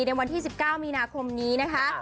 ในวันที่๑๙มีนาคมนี้นะคะ